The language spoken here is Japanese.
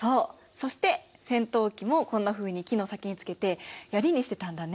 そして尖頭器もこんなふうに木の先につけてヤリにしてたんだね。